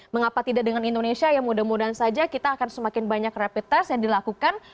mengapa tidak dengan indonesia ya mudah mudahan saja kita akan semakin banyak rapid test yang dilakukan